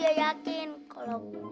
jadi dia yakin kalau shari itu